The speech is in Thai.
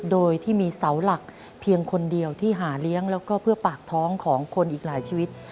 โดยที่มีเสาหลักเพียงคนเดียวที่หาเลี้ยงแล้วก็เพื่อปากท้องของคนอีกหลายชีวิต